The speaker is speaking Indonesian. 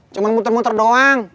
cuman muter muter doang